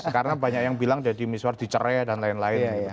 karena banyak yang bilang deddy miswar dicerai dan lain lain